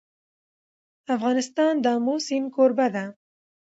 افغانستان د آمو سیند کوربه دی.